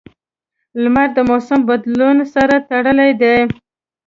• لمر د موسم بدلون سره تړلی دی.